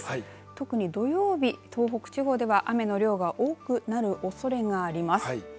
特に土曜日、東北地方では雨の量が多くなるおそれがあります。